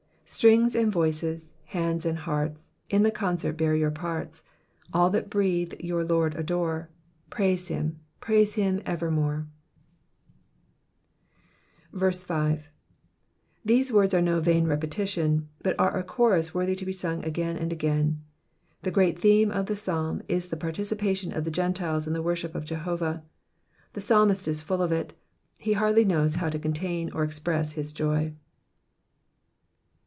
String^B and voices, hands and hearts. In the concert bear your parts ; All that breathe, your Lord adore, Praise him, Pniise hfro, evermore !" 5. These words are no vain repetition, but are a chorus worthy to be sung again and again. The great theme of the psalm is the participation of the Gentiles in the worship of Jehovah ; the psalmist is full of it, he hardly knows how to contain or express his joy.